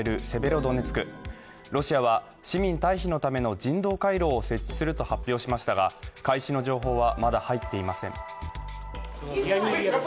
ロシアは市民退避のための人道回廊を設置すると発表しましたが開始の情報はまだ入っていません。